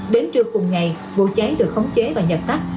đến trưa cùng ngày vụ cháy được khống chế và giật tắt